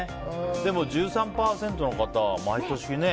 でも１３％の方は毎年ね。